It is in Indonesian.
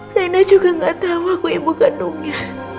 rina juga gak tau aku ibu kandungnya